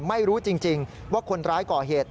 ไม่รู้จริงว่าคนร้ายก่อเหตุ